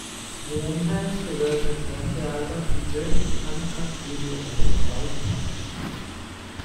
The enhanced version of the album features the uncut video of "Right Thurr".